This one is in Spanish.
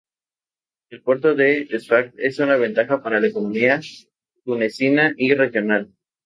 El puerto de Sfax es una ventaja para la economía tunecina y regional.